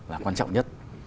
là quan trọng nhất